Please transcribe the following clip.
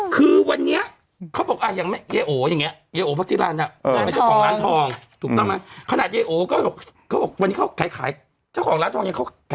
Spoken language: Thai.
เค้าบอกเค้าขายขาย